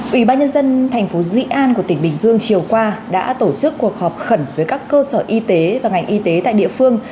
ủy ban nhân dân thành phố dị an của tỉnh bình dương chiều qua đã tổ chức cuộc họp khẩn với các cơ sở y tế và ngành y tế tại địa phương